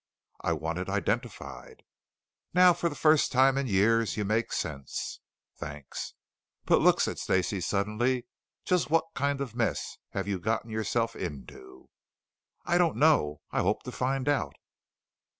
"I want it identified." "Now, for the first time in years, you make sense." "Thanks." "But look," said Stacey suddenly, "just what kind of mess have you gotten yourself into?" "I don't know. I hope to find out."